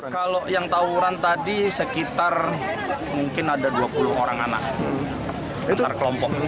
kalau yang tawuran tadi sekitar mungkin ada dua puluh orang anak